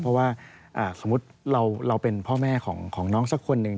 เพราะว่าสมมุติเราเป็นพ่อแม่ของน้องสักคนหนึ่ง